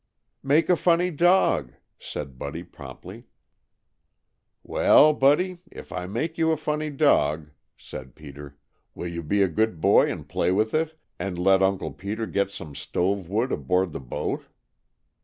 "Make a funny dog," said Buddy promptly. "Well, Buddy, if I make you a funny dog," said Peter, "will you be a good boy and play with it and let Uncle Peter get some stove wood aboard the boat?"